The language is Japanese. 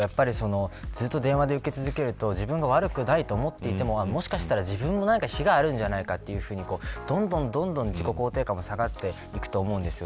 ずっと電話で受け続けると自分が悪くないと思っていてももしかしたら自分も非があるんじゃないかというふうにどんどん自己肯定感が下がっていくと思うんです。